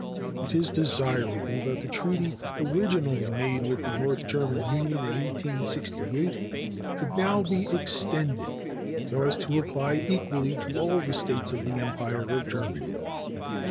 It is desirable that the treaty originally made with the North German Union in 1868 should now be extended so as to apply equally to all the States of the Empire of Germany.